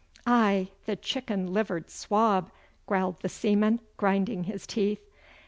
'Aye, the chicken livered swab!' growled the seaman, grinding his teeth.